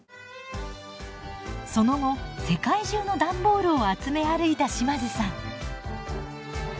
その後世界中の段ボールを集め歩いた島津さん。